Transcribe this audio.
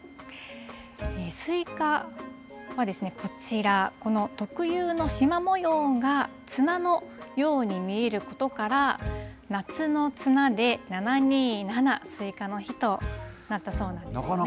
すいかはですね、こちら、この特有のしま模様が綱のように見えることから、なつのつなで、７２７、すいかの日となったそうなんですね。